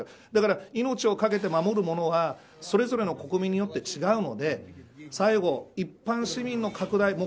命をかけて守るものはそれぞれの国民によって違うので最後、一般市民の拡大